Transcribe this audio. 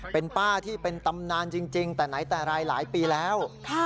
เป็นป้าที่เป็นตำนานจริงแต่ไหนแต่ไรหลายปีแล้ว